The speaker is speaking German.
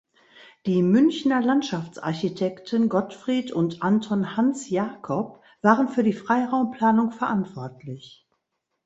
Die Münchner Landschaftsarchitekten Gottfried und Anton Hansjakob waren für die Freiraumplanung verantwortlich.